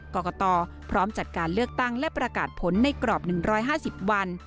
กรกตพร้อมจัดการเลือกตั้งและประกาศผลในกรอบ๑๕๐วัน